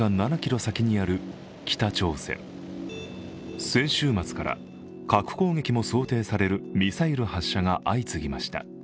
先週末から核攻撃も想定されるミサイル発射が相次ぎました。